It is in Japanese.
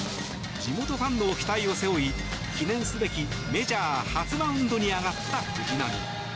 地元ファンの期待を背負い記念すべきメジャー初マウンドに上がった藤浪。